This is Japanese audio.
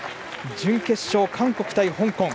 準決勝、韓国対香港。